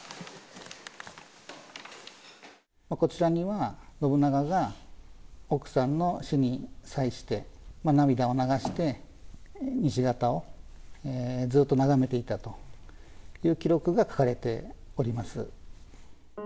こちらには、信長が奥さんの死に際して、涙を流して西方をずーっと眺めていたという記録が書かれております。